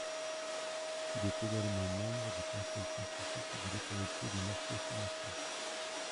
Il est également membre du Conseil scientifique de l'Autorité des marchés financiers.